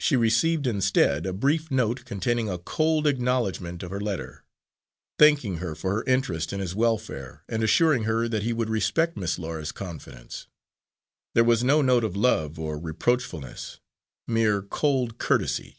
She received, instead, a brief note containing a cold acknowledgment of her letter, thanking her for her interest in his welfare, and assuring her that he would respect Miss Laura's confidence. There was no note of love or reproachfulness mere cold courtesy.